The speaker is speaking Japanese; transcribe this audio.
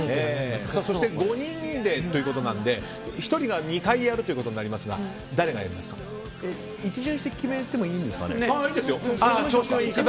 ５人でということなので１人が２回やるということになりますが１巡して決めてもいいんですか。